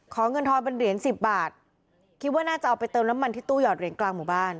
เงินทอนเป็นเหรียญสิบบาทคิดว่าน่าจะเอาไปเติมน้ำมันที่ตู้หอดเหรียญกลางหมู่บ้าน